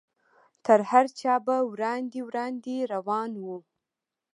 تر هر چا به وړاندې وړاندې روان و.